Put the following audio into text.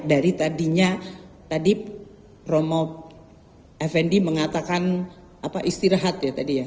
dari tadinya tadi romo effendi mengatakan istirahat ya tadi ya